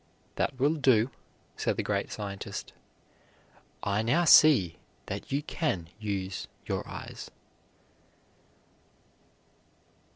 "That will do," said the great scientist. "I now see that you can use your eyes."